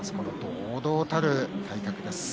堂々たる体格です。